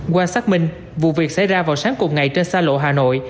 qua xác minh vụ việc xảy ra vào sáng cùng ngày trên xa lộ hà nội